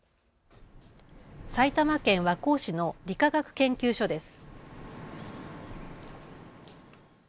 埼玉県和光市の理化学研究所です。